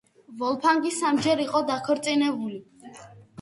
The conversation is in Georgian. ვოლფგანგი სამჯერ იყო დაქორწინებული.